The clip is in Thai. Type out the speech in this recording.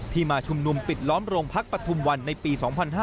มาชุมนุมปิดล้อมโรงพักปฐุมวันในปี๒๕๕๙